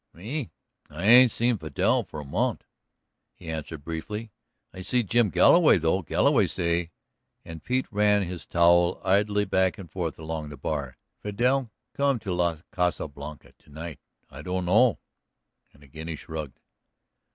"Me, I ain't seen Vidal for a mont'," he answered briefly. "I see Jim Galloway though. Galloway say," and Pete ran his towel idly back and forth along the bar, "Vidal come to la Casa Blanca to night. I dunno," and again he shrugged.